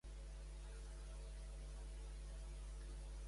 Què anat fent al partit?